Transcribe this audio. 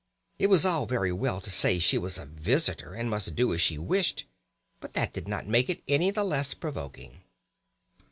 It was all very well to say that she was a visitor and must do as she wished, but that did not make it any the less provoking.